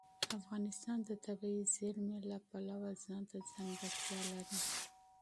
افغانستان د طبیعي زیرمې د پلوه ځانته ځانګړتیا لري.